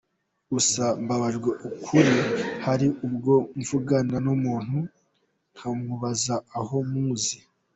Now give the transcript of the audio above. Gusa mbabwije ukuri hari ubwo mvugana n’umuntu nkamubaza aho muzi.